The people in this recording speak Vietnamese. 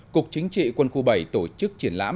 cục chính trị quân khu bảy tổ chức triển lãm